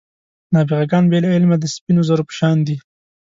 نابغه ګان بې له علمه د سپینو زرو په شان دي.